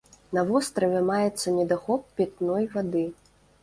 На востраве маецца недахоп пітной вады.